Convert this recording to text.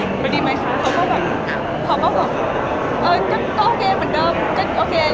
ไหนดีไหมคะเขาบอกโอเคเหมือนเดิม